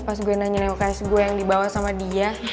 pas gue nanya newcase gue yang dibawa sama dia